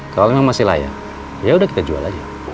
kalau memang masih layak ya udah kita jual aja